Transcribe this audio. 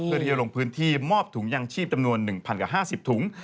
เพื่อที่จะลงพื้นที่มอบถุงยางชีพจำนวน๑๐๐กว่า๕๐ถุง